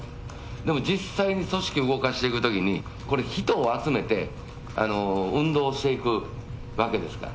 でも実際に組織を動かしていくときに、これ、人を集めて、運動をしていくわけですから。